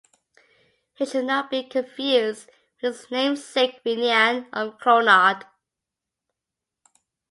He should not be confused with his namesake Finnian of Clonard.